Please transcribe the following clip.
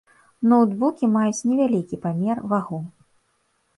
Ноўтбукі маюць невялікі памер, вагу.